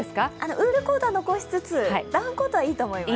ウールコートは残しつつ、ダウンコートはもういいと思います。